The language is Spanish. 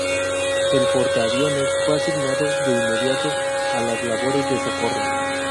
El portaaviones fue asignado de inmediato a las labores de socorro.